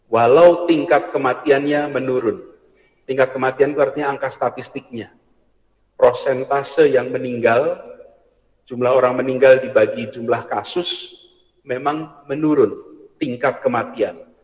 walau tingkat kematiannya menurun tingkat kematian itu artinya angka statistiknya prosentase yang meninggal jumlah orang meninggal dibagi jumlah kasus memang menurun tingkat kematian